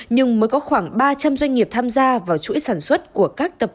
nhưng mới có khoảng ba trăm linh doanh nghiệp tham gia vào chuỗi sản xuất